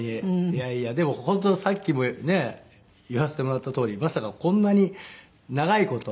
いやいやでも本当さっきもね言わせてもらったとおりまさかこんなに長い事。